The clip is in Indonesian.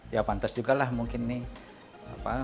ya pantas juga lah mungkin nih